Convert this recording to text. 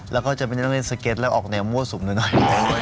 แล้วก็จำเป็นจะต้องเล่นสเก็ตแล้วออกแนวมั่วสุมหน่อย